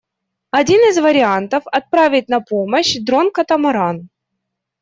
Один из вариантов — отправить на помощь дрон-катамаран.